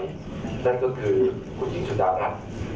นั่นก็คือคุณหญิงสุดารัฐ